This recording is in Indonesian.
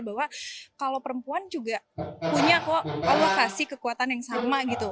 bahwa kalau perempuan juga punya kok allah kasih kekuatan yang sama gitu